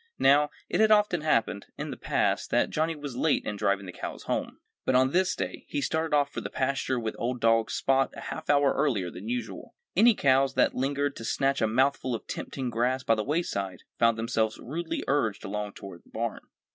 Now, it had often happened, in the past, that Johnnie was late in driving the cows home. But on this day he started off for the pasture with old dog Spot a half hour earlier than usual. Any cows that lingered to snatch a mouthful of tempting grass by the wayside found themselves rudely urged along toward the barn.